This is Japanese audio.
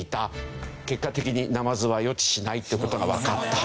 結果的にナマズは予知しないっていう事がわかった。